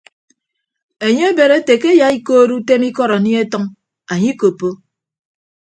Enye ebed ete ke eyaikood utem ikọd anie atʌñ anye ikoppo.